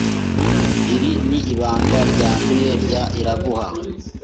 Iri ni ibanga ryanduye rya Iraguha.